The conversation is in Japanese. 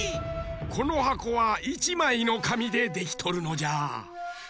このはこは１まいのかみでできとるのじゃ。